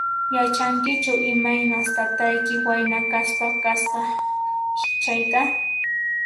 Yachankichu imaynas taytayki wayna kaspa kasqa chayta?